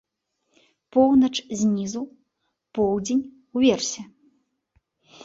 Поўнач знізу, поўдзень уверсе.